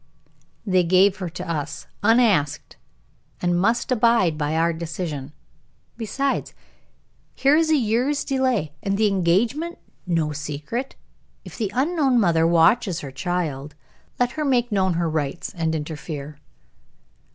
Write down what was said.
"They gave her to us, unasked, and must abide by our decision. Besides, here is a year's delay, and the engagement no secret. If the unknown mother watches her child, let her make known her rights and interfere."